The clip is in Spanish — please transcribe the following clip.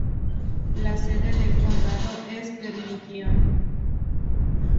La sede del condado es Vermillion.